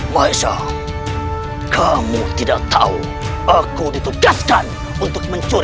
dasar kamu tidak mempunyai sobat santun